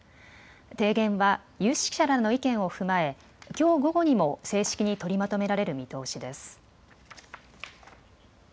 提言は有識者らの意見を踏まえきょう午後にも正式に取りまとめられる見通しです。